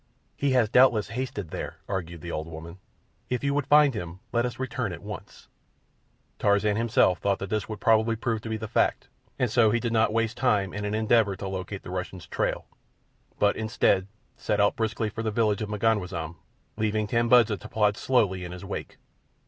"He has doubtless hastened there," argued the old woman. "If you would find him let us return at once." Tarzan himself thought that this would probably prove to be the fact, so he did not waste time in an endeavour to locate the Russian's trail, but, instead, set out briskly for the village of M'ganwazam, leaving Tambudza to plod slowly in his wake.